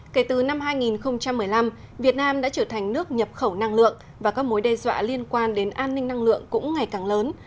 kể từ năm hai nghìn một mươi năm việt nam đã trở thành nước nhập khẩu năng lượng và các mối đe dọa liên quan đến an ninh năng lượng cũng ngày càng lớn